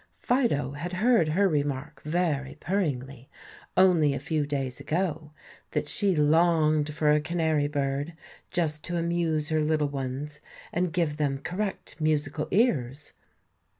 Fido had heard her remark very purringly only a few days ago that she longed for a canary bird, just to amuse her little ones and give them correct musical ears.